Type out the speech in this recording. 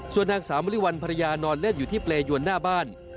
ส่วนนางสาวมริวัลภรรยานอนเล่นอยู่ที่เปรยวนหน้าบ้าน